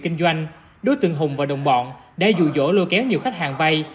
kinh doanh đối tượng hùng và đồng bọn đã dụ dỗ lôi kéo nhiều khách hàng vay